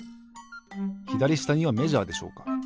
ひだりしたにはメジャーでしょうか。